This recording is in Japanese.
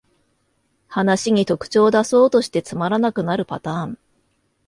話に特徴だそうとしてつまらなくなるパターン